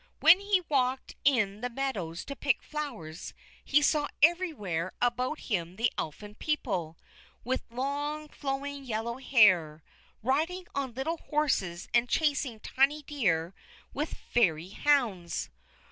When he walked in the meadows to pick flowers, he saw everywhere about him the Elfin people, with long, flowing yellow hair, riding on little horses and chasing tiny deer with Fairy hounds.